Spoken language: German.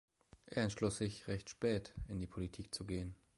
Er entschloss sich recht spät in die Politik zu gehen.